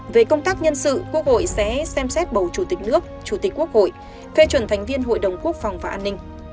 về công tác nhân sự quốc hội sẽ xem xét bầu chủ tịch nước chủ tịch quốc hội phê chuẩn thành viên hội đồng quốc phòng và an ninh